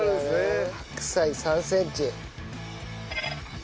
白菜３センチ。